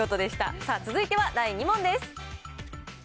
さあ、続いては第２問です。